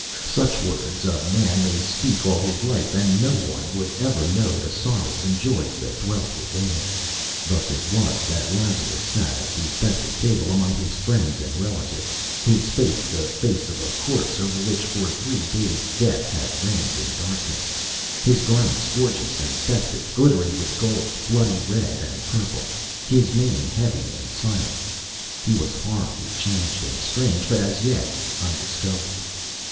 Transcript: Such words a man may speak all his life and no one would ever know the sorrows and joys that dwelt within him. Thus it was that Lazarus sat at the festive table among his friends and relatives his face the face of a corpse over which, for three days, death had reigned in darkness, his garments gorgeous and festive, glittering with gold, bloody red and purple; his mien heavy and silent. He was horribly changed and strange, but as yet undiscovered.